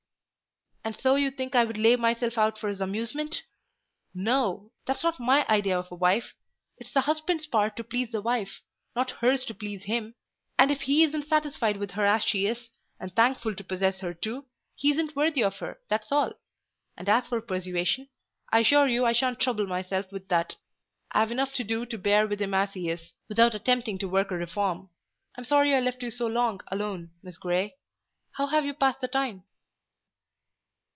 "And so you think I would lay myself out for his amusement! No: that's not my idea of a wife. It's the husband's part to please the wife, not hers to please him; and if he isn't satisfied with her as she is—and thankful to possess her too—he isn't worthy of her, that's all. And as for persuasion, I assure you I shan't trouble myself with that: I've enough to do to bear with him as he is, without attempting to work a reform. But I'm sorry I left you so long alone, Miss Grey. How have you passed the time?"